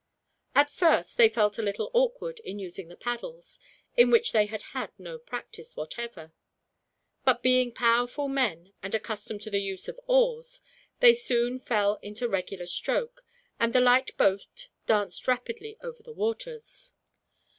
At first they felt a little awkward in using the paddles, in which they had had no practice, whatever. But being powerful men, and accustomed to the use of oars, they soon fell into regular stroke, and the light boat danced rapidly over the waters.